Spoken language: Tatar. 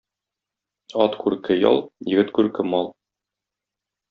Ат күрке - ял, егет күрке - мал.